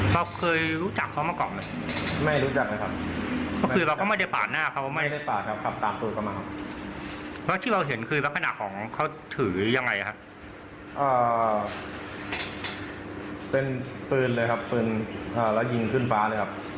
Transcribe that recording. เป็นปืนเลยครับแล้วยิงขึ้นฟ้าเลยครับ